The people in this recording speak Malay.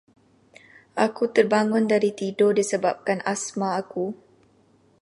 Aku terbangun dari tidur disebabkan asma aku.